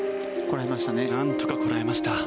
なんとかこらえました。